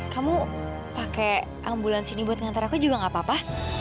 kamu pakai ambulans ini buat ngantar aku juga gak apa apa